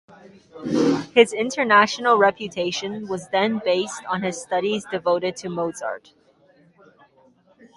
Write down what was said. His international reputation was then based on his studies devoted to Mozart.